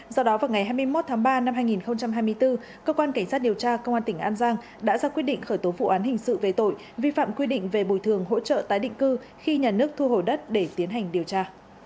do đó vào ngày hai mươi một tháng ba năm hai nghìn hai mươi bốn cơ quan cảnh sát điều tra công an tỉnh an giang đã ra quyết định khởi tố vụ án hình sự về tội vi phạm quy định về bồi thường hỗ trợ tái định cư khi nhà nước thu hồi đất để tiến hành điều tra